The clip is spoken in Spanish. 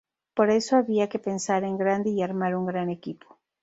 Por eso, había que pensar en grande y armar un gran equipo.